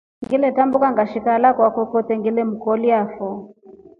Ngiletambuka ngashika hala kwake kwete ngilemkolia foo.